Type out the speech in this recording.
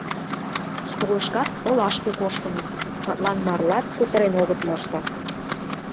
Школышкат олашке коштыныт, садлан марлат кутырен огыт мошто.